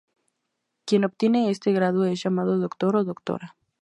Quien obtiene este grado es llamado doctor o doctora.